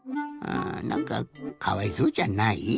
あぁなんかかわいそうじゃない？